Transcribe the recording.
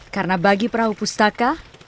karena bagi perahu pustaka